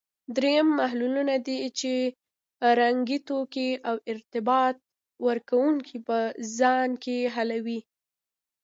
دریم محللونه دي چې رنګي توکي او ارتباط ورکوونکي په ځان کې حل کوي.